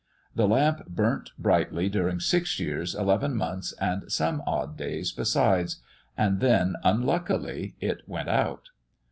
The lamp burnt brightly during six years eleven months, and some odd days besides; and then, unluckily, it went out.